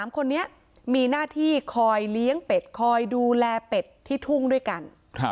๓คนนี้มีหน้าที่คอยเลี้ยงเป็ดคอยดูแลเป็ดที่ทุ่งด้วยกัน